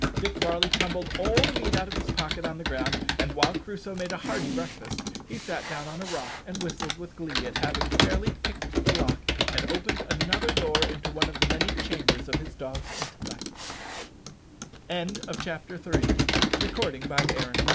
Dick Varley tumbled all the meat out of his pocket on the ground, and, while Crusoe made a hearty breakfast, he sat down on a rock and whistled with glee at having fairly picked the lock, and opened another door into one of the many chambers of his dog's intellect. CHAPTER IV. Our hero enlarged upon Grumps.